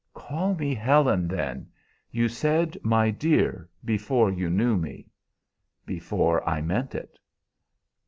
"Call me Helen, then. You said 'my dear' before you knew me." "Before I meant it."